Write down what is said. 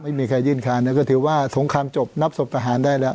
ไม่มีใครยื่นคานก็ถือว่าสงครามจบนับศพทหารได้แล้ว